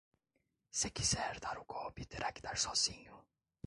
Se quiser dar o golpe, terá que dar sozinho